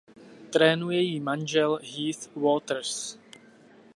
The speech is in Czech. Trénuje ji manžel Heath Waters.